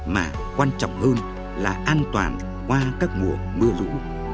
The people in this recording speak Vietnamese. mà quan trọng hơn là an toàn qua các mùa mưa lũ